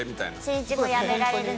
しんいちもやめられるの？